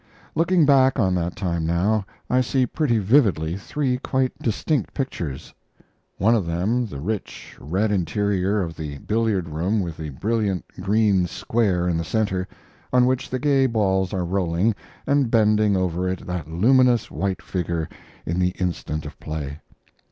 Looking back on that time now, I see pretty vividly three quite distinct pictures. One of them, the rich, red interior of the billiard room with the brilliant, green square in the center, on which the gay balls are rolling, and bending over it that luminous white figure in the instant of play.